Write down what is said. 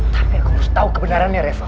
tapi aku harus tahu kebenarannya reva